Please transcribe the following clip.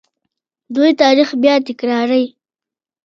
دوی تاریخ بیا تکراروي.